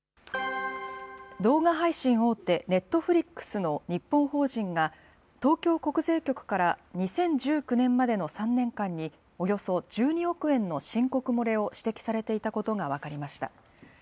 動画配信大手、ネットフリックスの日本法人が、東京国税局から２０１９年までの３年間におよそ１２億円の申告漏れを指摘されていたことが分かりました。